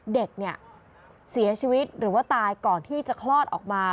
เด็กเนี่ยเสียชีวิตหรือว่าตายก่อนที่จะคลอดออกมา